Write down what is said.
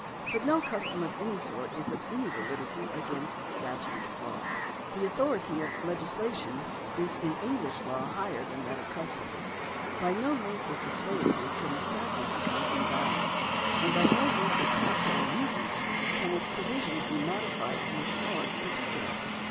But no custom of any sort is of any validity as against statute law. The authority of legislation is in English law higher than that of custom. By no length of desuetude can a statute become invalid, and by no length of contrary usage can its provisions be modified in the smallest particular.